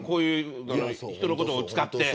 人のことを使って。